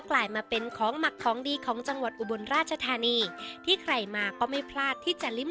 กลายมาเป็นของหมักของดีของจังหวัดอุบลราชธานีที่ใครมาก็ไม่พลาดที่จะลิ้ม